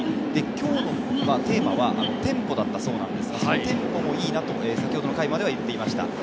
今日のテーマはテンポだったそうなんですが、そのテンポもいいなと先ほどの回まではいっていました。